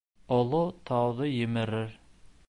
Оло тауҙы емерер!